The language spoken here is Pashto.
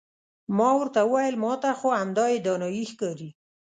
ما ورته وویل ما ته خو همدایې دانایي ښکاري.